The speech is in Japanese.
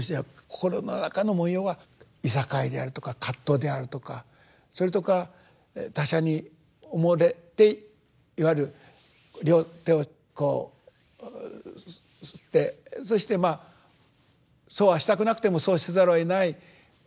心の中の模様はいさかいであるとか葛藤であるとかそれとか他者におもねていわゆる両手をこう擦ってそしてまあそうはしたくなくてもそうせざるをえない私たちの矛盾。